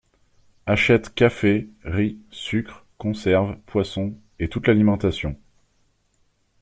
Achète café, riz, sucres, conserves, poissons, et toute l'alimentation.